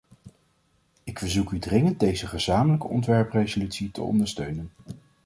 Ik verzoek u dringend deze gezamenlijke ontwerpresolutie te ondersteunen.